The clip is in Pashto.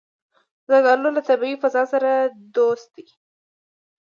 زردالو له طبیعي فضا سره دوست دی.